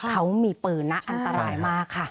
เขามีปืนนะอันตรายมากค่ะ